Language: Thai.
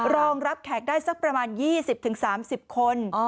รองรับแขกได้สักประมาณ๒๐๓๐คน